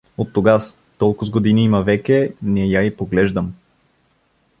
Оттогаз, толкоз години има веке, не я и поглеждам.